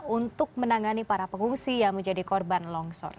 untuk menangani para pengungsi yang menjadi korban longsor